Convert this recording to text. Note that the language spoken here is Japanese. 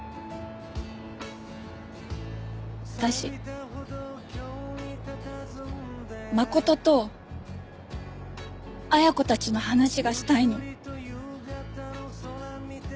私真琴と恵子たちの話がしたいの。